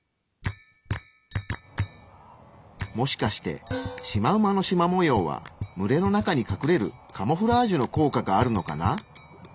もしかしてシマウマのしま模様は群れの中に隠れるカモフラージュの効果があるのかな？